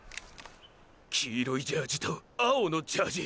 黄色いジャージと青のジャージ。